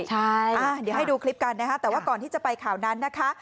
เดี๋ยวให้ดูคลิปกันนะคะแต่ว่าก่อนที่จะไปข่าวนั้นนะคะ